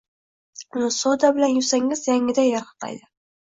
Uni soda bilan yuvsangiz yangiday yaraqlaydi.